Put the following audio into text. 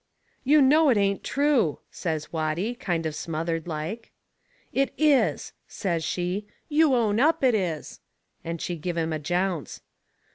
"You know it ain't true," says Watty, kind of smothered like. "It is," says she, "you own up it is!" And she give him a jounce.